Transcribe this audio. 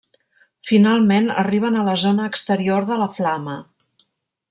Finalment arriben a la zona exterior de la flama.